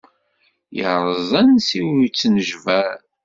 Yerreẓ ansi ur yettunejbar.